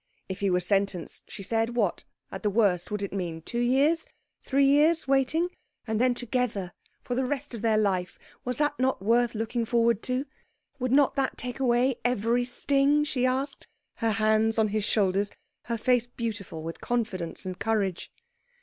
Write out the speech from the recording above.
If he were sentenced, she said, what, at the worst, would it mean? Two years', three years', waiting, and then together for the rest of their life. Was not that worth looking forward to? Would not that take away every sting? she asked, her hands on his shoulders, her face beautiful with confidence and courage.